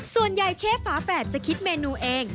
ส่วนใหญ่เชฟฟ้าแฝดจะคิดเมนูเอง